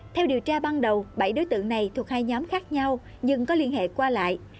theo điều tra ban đầu bảy đối tượng này thuộc hai nhóm khác nhau nhưng có liên hệ qua lại